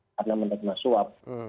karena menegma suap